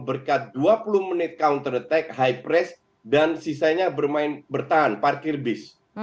berkat dua puluh menit counter attack high press dan sisanya bertahan parkir bis